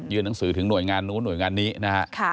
หนังสือถึงหน่วยงานนู้นหน่วยงานนี้นะฮะ